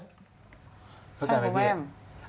ใช่ครับแม่ม